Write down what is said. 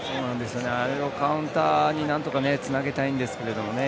あれをカウンターにつなげたいんですけどね。